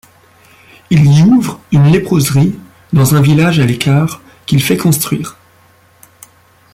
Il y ouvre une léproserie dans un village à l'écart qu'il fait construire.